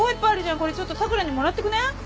これちょっと桜にもらっていくね。